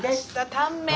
タンメン。